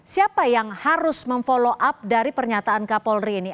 siapa yang harus memfollow up dari pernyataan kapolri ini